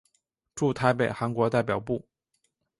驻台北韩国代表部。